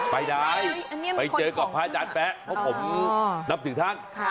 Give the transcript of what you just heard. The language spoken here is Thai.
ไปได้ไปเจอกับพระอาจารย์แป๊ะเพราะผมนับถือท่าน